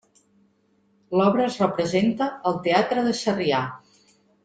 L'obra es representa al Teatre de Sarrià.